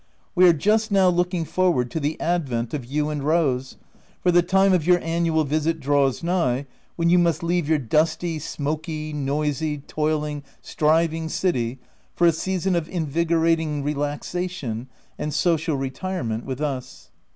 We are just now looking forward to the advent of you and Rose, for the time of your annual visit draws nigh, when you must leave your dusty, smoky, noisy, 342 THE TENANT OF WILDFELL HALL. toiling, striving city for a season of invigora ting relaxation and social retirement with us.